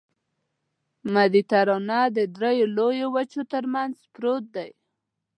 مدیترانه د دریو لویو وچو ترمنځ پروت دی.